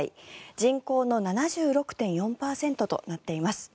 人口の７６．４％となっています。